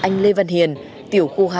anh lê văn hiền tiểu khu hai